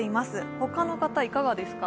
他の方、いかがですか？